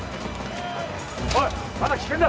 おいまだ危険だ！